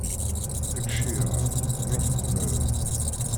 Ad k-ceyyɛeɣ ruḥ qbala.